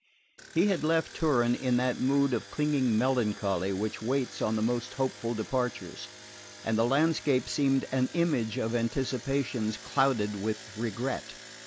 He had left Turin in that mood of clinging melancholy which waits on the most hopeful departures, and the landscape seemed an image of anticipations clouded with regret.